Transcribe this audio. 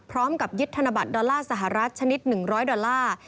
พร้อมกับยึดธนบัตรดอลลาร์สหรัฐชนิด๑๐๐ดอลลาร์